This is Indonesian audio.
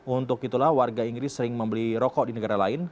untuk itulah warga inggris sering membeli rokok di negara lain